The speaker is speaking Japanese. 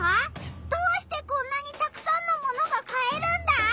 どうしてこんなにたくさんの物が買えるんだ？